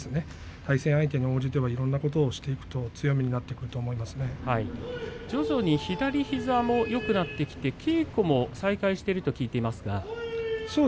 対戦相手に応じていろんなことをすると徐々に左膝もよくなって稽古を再開していると聞いています。